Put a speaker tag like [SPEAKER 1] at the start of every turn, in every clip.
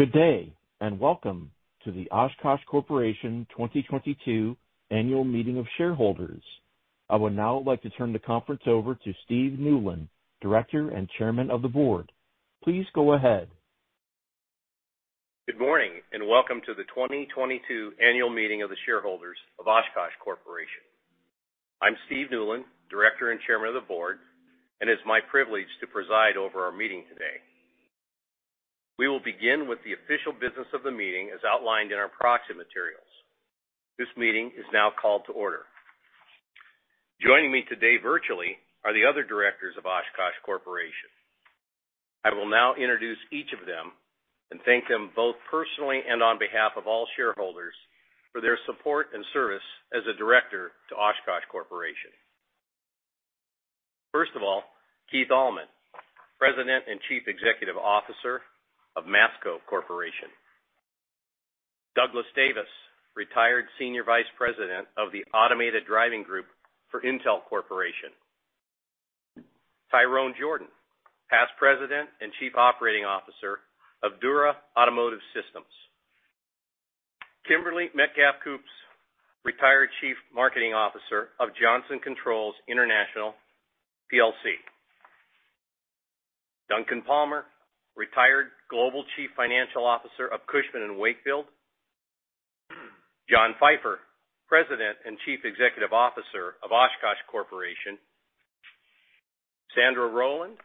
[SPEAKER 1] Good day, and welcome to the Oshkosh Corporation 2022 Annual Meeting of Shareholders. I would now like to turn the conference over to Stephen Newlin, Director and Chairman of the Board. Please go ahead.
[SPEAKER 2] Good morning, and welcome to the 2022 Annual Meeting of the Shareholders of Oshkosh Corporation. I'm Steve Newlin, Director and Chairman of the Board, and it's my privilege to preside over our meeting today. We will begin with the official business of the meeting as outlined in our proxy materials. This meeting is now called to order. Joining me today virtually are the other directors of Oshkosh Corporation. I will now introduce each of them and thank them both personally and on behalf of all shareholders for their support and service as a director to Oshkosh Corporation. First of all, Keith Allman, President and Chief Executive Officer of Masco Corporation. Douglas Davis, Retired Senior Vice President of the Automated Driving Group for Intel Corporation. Tyrone Jordan, past President and Chief Operating Officer of Dura Automotive Systems. Kimberley Metcalf-Kupres, retired Chief Marketing Officer of Johnson Controls International plc. Duncan Palmer, Retired Global Chief Financial Officer of Cushman & Wakefield. John Pfeifer, President and Chief Executive Officer of Oshkosh Corporation. Sandra E. Rowland,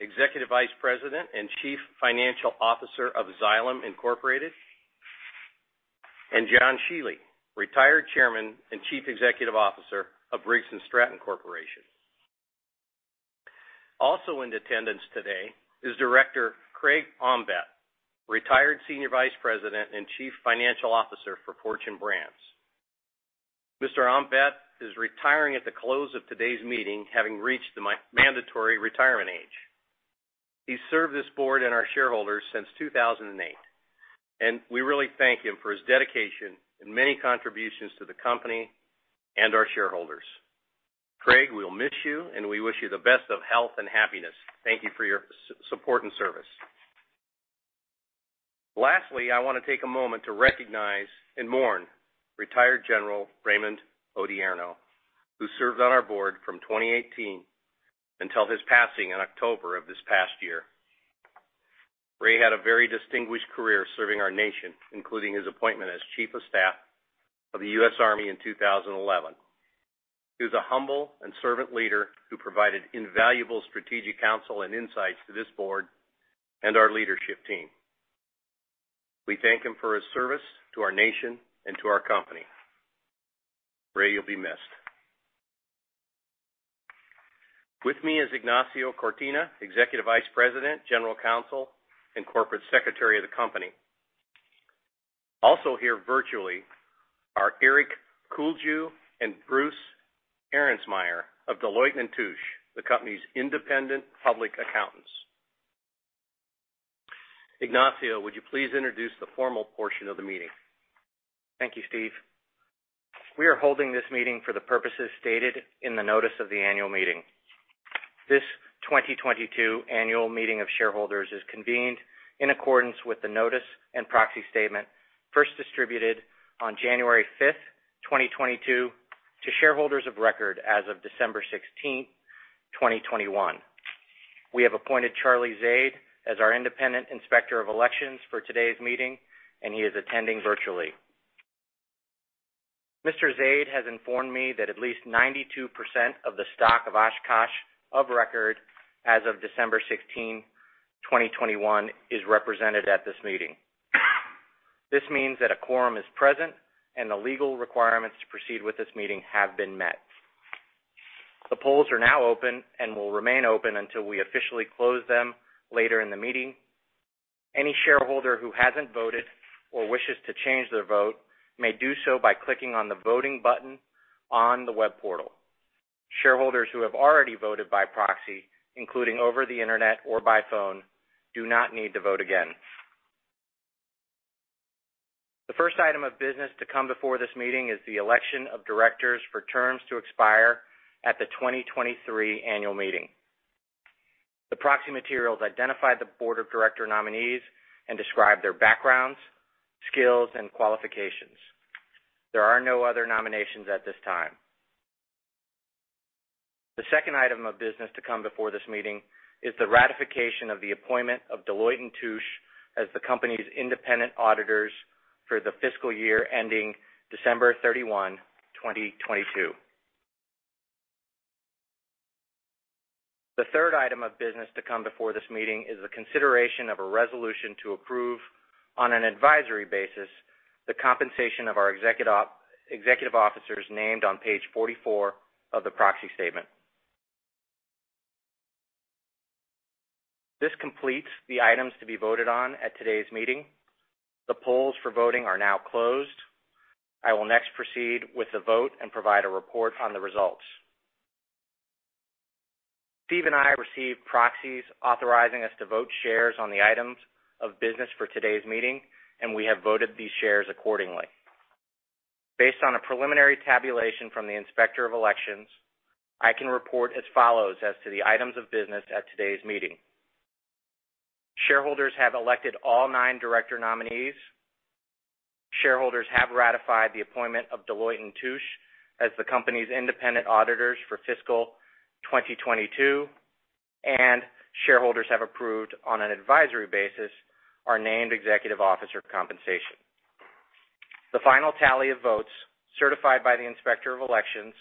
[SPEAKER 2] Executive Vice President and Chief Financial Officer of Xylem Incorporated. John S. Shiely, Retired Chairman and Chief Executive Officer of Briggs & Stratton Corporation. Also in attendance today is Director Craig Omtvedt, Retired Senior Vice President and Chief Financial Officer for Fortune Brands. Mr. Omtvedt is retiring at the close of today's meeting, having reached the mandatory retirement age. He served this board and our shareholders since 2008, and we really thank him for his dedication and many contributions to the company and our shareholders. Craig, we'll miss you, and we wish you the best of health and happiness. Thank you for your support and service. Lastly, I wanna take a moment to recognize and mourn Retired General Raymond Odierno, who served on our board from 2018 until his passing in October of this past year. Ray had a very distinguished career serving our nation, including his appointment as Chief of Staff of the U.S. Army in 2011. He was a humble and servant leader who provided invaluable strategic counsel and insights to this board and our leadership team. We thank him for his service to our nation and to our company. Ray, you'll be missed. With me is Ignacio Cortina, Executive Vice President, General Counsel, and Corporate Secretary of the company. Also here virtually are Eric Kulju and Bruce Arensmeier of Deloitte & Touche, the company's independent public accountants. Ignacio, would you please introduce the formal portion of the meeting?
[SPEAKER 3] Thank you, Steve. We are holding this meeting for the purposes stated in the notice of the annual meeting. This 2022 Annual Meeting of Shareholders is convened in accordance with the notice and proxy statement first distributed on January 5, 2022 to shareholders of record as of December 16, 2021. We have appointed Charlie Zaid as our independent inspector of elections for today's meeting, and he is attending virtually. Mr. Zaid has informed me that at least 92% of the stock of Oshkosh of record as of December 16, 2021 is represented at this meeting. This means that a quorum is present and the legal requirements to proceed with this meeting have been met. The polls are now open and will remain open until we officially close them later in the meeting. Any shareholder who hasn't voted or wishes to change their vote may do so by clicking on the voting button on the web portal. Shareholders who have already voted by proxy, including over the internet or by phone, do not need to vote again. The first item of business to come before this meeting is the election of directors for terms to expire at the 2023 annual meeting. The proxy materials identify the board of director nominees and describe their backgrounds, skills, and qualifications. There are no other nominations at this time. The second item of business to come before this meeting is the ratification of the appointment of Deloitte & Touche as the company's independent auditors for the fiscal year ending December 31, 2022. The third item of business to come before this meeting is the consideration of a resolution to approve, on an advisory basis, the compensation of our executive officers named on page 44 of the proxy statement. This completes the items to be voted on at today's meeting. The polls for voting are now closed. I will next proceed with the vote and provide a report on the results. Steve and I received proxies authorizing us to vote shares on the items of business for today's meeting, and we have voted these shares accordingly. Based on a preliminary tabulation from the inspector of elections, I can report as follows as to the items of business at today's meeting. Shareholders have elected all nine director nominees, shareholders have ratified the appointment of Deloitte & Touche as the company's independent auditors for fiscal 2022, and shareholders have approved on an advisory basis our named executive officer compensation. The final tally of votes certified by the inspector of elections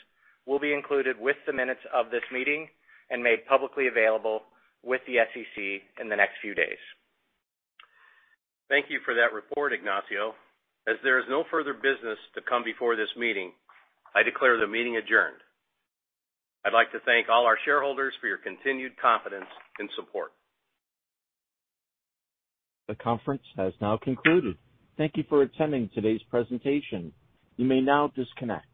[SPEAKER 3] will be included with the minutes of this meeting and made publicly available with the SEC in the next few days.
[SPEAKER 2] Thank you for that report, Ignacio. As there is no further business to come before this meeting, I declare the meeting adjourned. I'd like to thank all our shareholders for your continued confidence and support.
[SPEAKER 1] The conference has now concluded. Thank you for attending today's presentation. You may now disconnect.